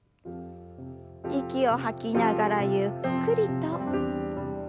息を吐きながらゆっくりと。